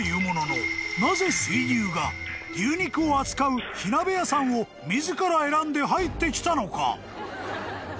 もののなぜ水牛が牛肉を扱う火鍋屋さんを自ら選んで入ってきたのか？］